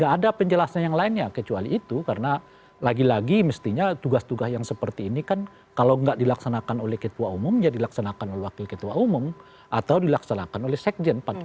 gak ada penjelasan yang lainnya kecuali itu karena lagi lagi mestinya tugas tugas yang seperti ini kan kalau nggak dilaksanakan oleh ketua umum ya dilaksanakan oleh wakil ketua umum atau dilaksanakan oleh sekjen